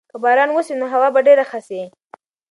که باران وسي نو هوا به ډېره ښه سي.